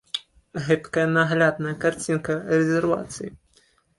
Гэткая наглядная карцінка рэзервацыі.